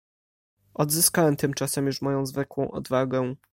"Odzyskałem tymczasem już moją zwykłą odwagę."